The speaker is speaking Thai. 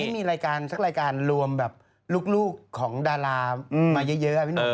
อยากไม่ใช่เรื่องรายการรวมลูกของดารามาเยอะ